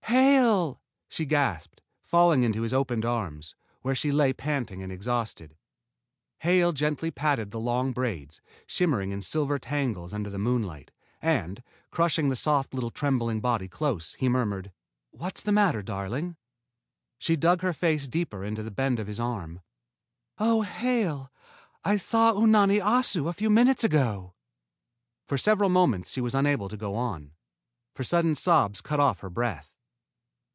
"Hale!" she gasped, falling into his opened arms, where she lay panting and exhausted. Hale gently patted the long braids, shimmering in silver tangles under the moonlight, and, crushing the soft little trembling body close, he murmured: "What's the matter, darling?" She dug her face deeper into the bend of his arm. "Oh, Hale! I saw Unani Assu a few minutes ago." For several moments she was unable to go on, for sudden sobs cut off her breath.